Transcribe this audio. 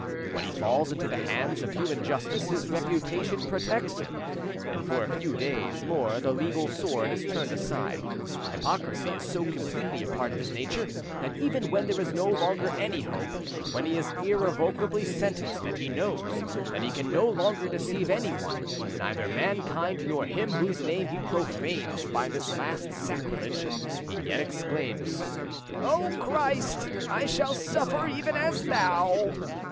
When he falls into the hands of human justice his reputation protects him, and for a few days more the legal sword is turned aside. Hypocrisy is so completely a part of his nature, that even when there is no longer any hope, when he is irrevocably sentenced, and he knows that he can no longer deceive anyone, neither mankind nor Him whose name he profanes by this last sacrilege, he yet exclaims, "O Christ! I shall suffer even as Thou."